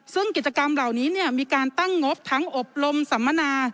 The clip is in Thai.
ซึ่งกิจกรรมเหล่านี้มีการตั้งงบทั้งอบรมสัมมนา